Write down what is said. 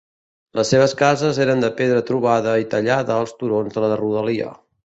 Les seves cases eren de pedra trobada i tallada als turons de la rodalia.